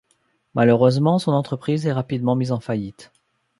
Malheureusement, son entreprise est rapidement mise en faillite.